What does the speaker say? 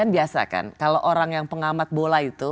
biasakan kalau orang yang pengamat bola itu